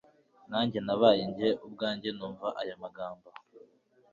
nkanjye nabaye njye ubwanjye numva aya magambo